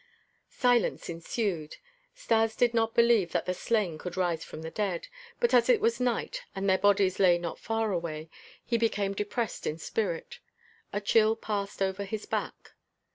Silence ensued. Stas did not believe that the slain could rise from the dead, but as it was night and their bodies lay not far away, he became depressed in spirit; a chill passed over his back.